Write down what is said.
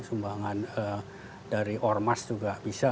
sumbangan dari ormas juga bisa